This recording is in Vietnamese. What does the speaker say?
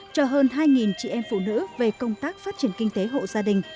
cho hơn hai chị em phụ nữ về công tác phát triển kinh tế hộ gia đình